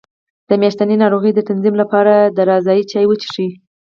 د میاشتنۍ ناروغۍ د تنظیم لپاره د رازیانې چای وڅښئ